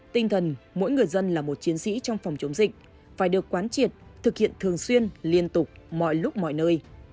tinh thần mỗi người dân là một chiến sĩ trong phòng chống dịch phải được quán triệt thực hiện thường xuyên liên tục mọi lúc mọi nơi